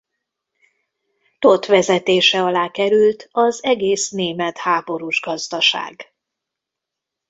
Todt vezetése alá került az egész német háborús gazdaság.